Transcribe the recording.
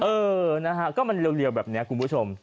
เออนะฮะก็มันเรียวแบบนี้คุณผู้ชม